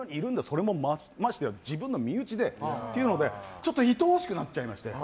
それも、ましてや自分の身内でっていうのでちょっといとおしくなっちゃいまして。